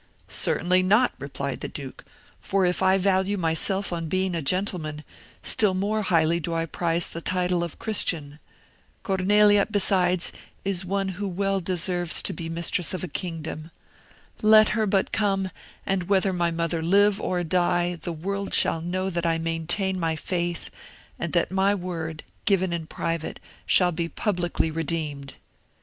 "Certainly not," replied the duke; "for if I value myself on being a gentleman, still more highly do I prize the title of Christian. Cornelia, besides, is one who well deserves to be mistress of a kingdom. Let her but come, and whether my mother live or die, the world shall know that I maintain my faith, and that my word, given in private, shall be publicly redeemed."